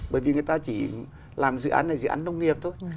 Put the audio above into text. bởi vì người ta chỉ làm dự án này dự án nông nghiệp thôi